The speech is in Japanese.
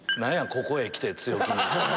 ここへきて強気に。